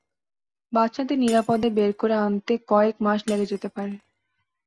বাচ্চাদের নিরাপদে বের করে আনতে কয়েক মাস লেগে যেতে পারে।